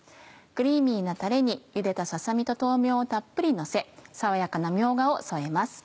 クリーミーなたれにゆでたささ身と豆苗をたっぷりのせ爽やかなみょうがを添えます。